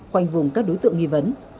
quanh vùng các đối tượng nghi vấn